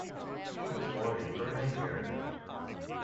He was born in Bernay, Eure.